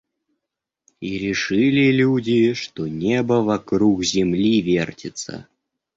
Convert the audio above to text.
И решили люди, что небо вокруг земли вертится.